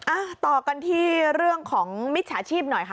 อ่ะต่อกันที่เรื่องของมิจฉาชีพหน่อยค่ะ